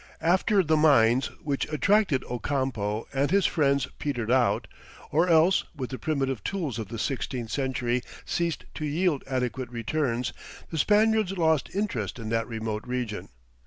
After the mines which attracted Ocampo and his friends "petered out," or else, with the primitive tools of the sixteenth century, ceased to yield adequate returns, the Spaniards lost interest in that remote region.